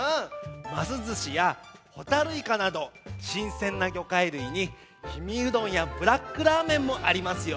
「ますずし」や「ホタルイカ」などしんせんなぎょかいるいに「氷見うどん」や「ブラックラーメン」もありますよ。